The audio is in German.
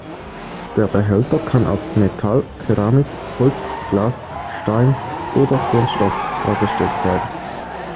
Der Behälter kann aus Metall, Keramik, Holz, Glas, Stein oder Kunststoff hergestellt sein.